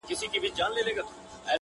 لا هم له پاڼو زرغونه پاته ده-